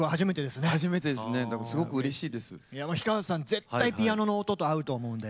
絶対ピアノの音と合うと思うんで。